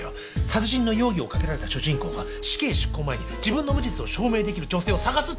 殺人の容疑をかけられた主人公が死刑執行前に自分の無実を証明できる女性を探すってストーリーなんだ。